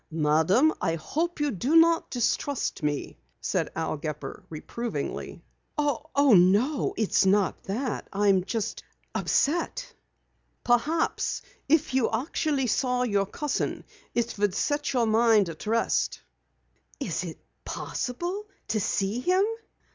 "Madam, I hope you do not distrust me," said Al Gepper reprovingly. "Oh, no, it's not that. I'm just upset." "Perhaps, if you actually saw your cousin it would set your mind at rest." "Is it possible to see him?"